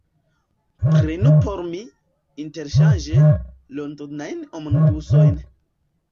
Prenu por mi, interŝanĝe, Londonajn Omnibusojn.